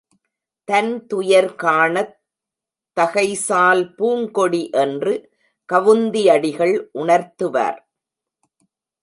தன் துயர் காணாத் தகைசால் பூங்கொடி என்று கவுந்தி அடிகள் உணர்த்துவார்.